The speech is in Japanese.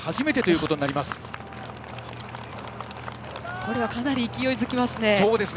これはかなり勢いづきますね。